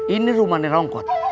ini rumah nenongkot